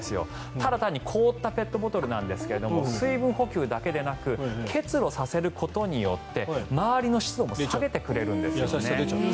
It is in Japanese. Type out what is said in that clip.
ただ単に凍ったペットボトルなんですが水分補給だけでなく結露させることによって周りの湿度も下げてくれるんです。